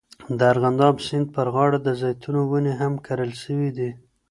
د ارغنداب سیند پر غاړه د زیتونو ونې هم کرل سوي دي.